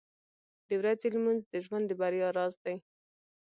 • د ورځې لمونځ د ژوند د بریا راز دی.